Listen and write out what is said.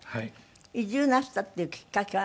移住なすったっていうきっかけは。